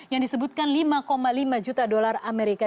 yang disebutkan lima lima juta dolar amerika